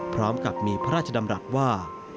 พร้อมกับมีพระราชดำรัฐว่า